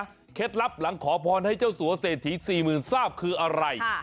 เคล็ดลับหลังขอพรให้เจ้าสัวเศรษฐี๔๐๐๐ทราบคืออะไร